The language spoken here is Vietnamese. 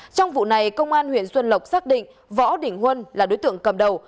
trong vụ này công an huyện xuân lộc xác định võ đỉnh huân là đối tượng cầm đầu